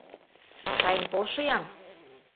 — Каен полшы-ян.